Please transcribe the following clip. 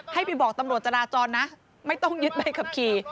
ให้ไปบอกตำรวจจราจรนะไม่ต้องยึดใบขับขี่